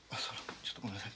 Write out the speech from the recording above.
ちょっとごめんなさい。